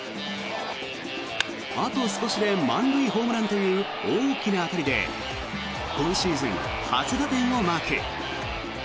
あと少しで満塁ホームランという大きな当たりで今シーズン初打点をマーク。